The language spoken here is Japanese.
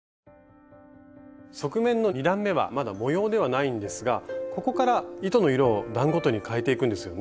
側面の２段めはまだ模様ではないんですがここから糸の色を段ごとにかえていくんですよね？